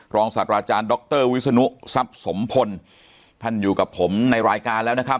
ศาสตราจารย์ดรวิศนุทรัพย์สมพลท่านอยู่กับผมในรายการแล้วนะครับ